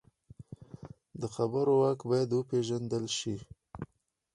د خبرو واک باید وپېژندل شي